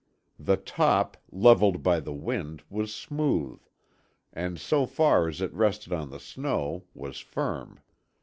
The top, leveled by the wind, was smooth, and, so far as it rested on the stone, was firm.